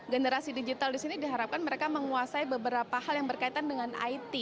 generasi digital di sini diharapkan mereka menguasai beberapa hal yang berkaitan dengan it